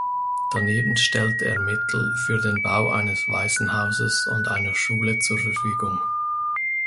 Daneben stellte er Mittel für den Bau eines Waisenhauses und einer Schule zur Verfügung.